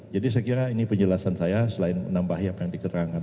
jadi saya kira ini penjelasan saya selain menambahkan apa yang diketerangkan